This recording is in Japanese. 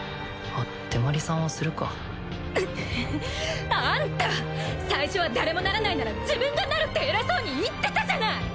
あっ手毬さんはするかあんた最初は誰もならないなら自分がなるって偉そうに言ってたじゃない！